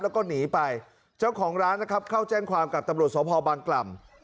แล้วก็หนีไปเจ้าของร้านนะครับเข้าแจ้งความกับตำรวจสพบางกล่ำ